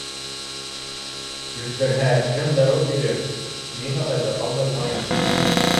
Йүткерһә, кем дарыу бирер? Мин атайҙы ҡалдырмайым.